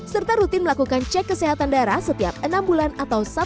serta rutin melakukan cek kesehatan darah setiap enam bulan atau satu